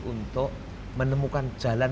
untuk menemukan jalan